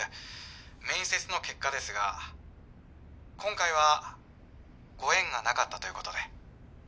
面接の結果ですが今回はご縁がなかったということで。